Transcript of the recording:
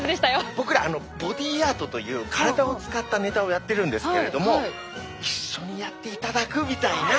僕らボディーアートという体を使ったネタをやってるんですけれども一緒にやっていただくみたいな。